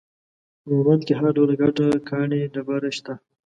په مومند کې هر ډول ګټه ، کاڼي ، ډبره، شته